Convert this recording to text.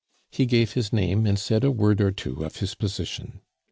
He gave his name and said a word or two of his position.